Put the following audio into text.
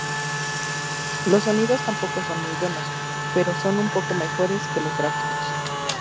Los sonidos tampoco son muy buenos, pero son un poco mejores que los gráficos.